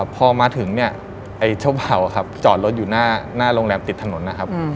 พอมาถึงเนี่ยไอ้เจ้าเบาครับจอดรถอยู่หน้าโรงแรมติดถนนนะครับ